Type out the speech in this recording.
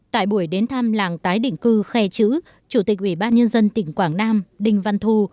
tại buổi đến thăm làng tái định cư khai chữ chủ tịch ubnd tỉnh quảng nam đình văn thu